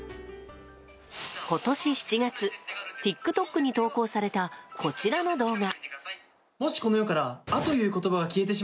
今年７月ＴｉｋＴｏｋに投稿されたこちらの動画。